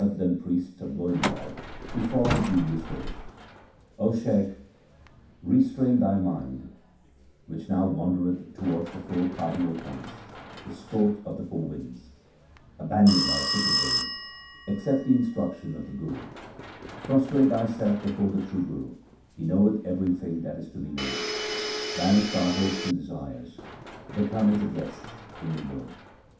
222 THE SIKH RELIGION The following was addressed to the Muhammadan priest of Goindwal who followed devious ways :— O Shaikh, restrain thy mind which now wandereth towards the four cardinal points, the sport of the four winds. Abandon thy crooked ways, accept the instruction of the Guru ; Prostrate thyself before the true Guru ; he knoweth everything that is to be known. Banish thy hopes and desires ; become as a guest in the world.